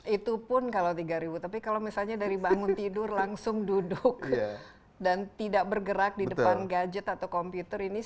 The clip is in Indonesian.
itu pun kalau tiga ribu tapi kalau misalnya dari bangun tidur langsung duduk dan tidak bergerak di depan gadget atau komputer ini